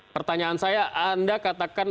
pertanyaan saya anda katakan